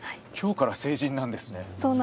きょうから成人なんですね。